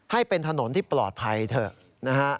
ให้เป็นถนนที่ปลอดภัยเถอะนะฮะ